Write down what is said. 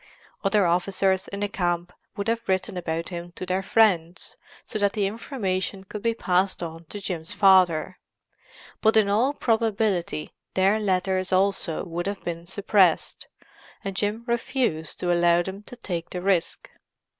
Other officers in the camp would have written about him to their friends, so that the information could be passed on to Jim's father; but in all probability their letters also would have been suppressed, and Jim refused to allow them to take the risk.